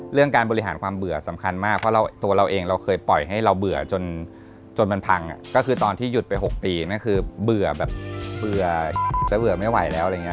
เรื่องการบริหารความเบื่อสำคัญก่อนมากเพราะตัวเราเองเราเคยปล่อยให้เราเบื่อจนมันพังก็คือตอนที่หยุดไป๖ปีนั่นคือเบื่อแบบถึงเบื่อเบื่อไม่ไหวแล้ว